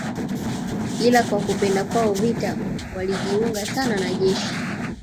Ila kwa kupenda kwao vita walijiunga sana na jeshi